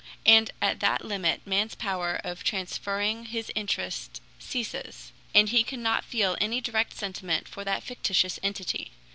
And at that limit man's power of transferring his interest ceases, and he cannot feel any direct sentiment for that fictitious entity.